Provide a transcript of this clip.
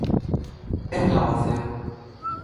É un negocio.